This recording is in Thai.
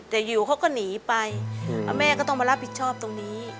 แต่อยู่เขาก็หนีไปแล้วแม่ก็ต้องมารับผิดชอบตรงนี้